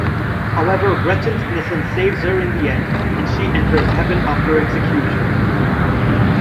However, Gretchen's innocence saves her in the end, and she enters Heaven after execution.